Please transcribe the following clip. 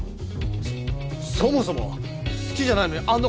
そそもそも好きじゃないのにあんな事すんのか？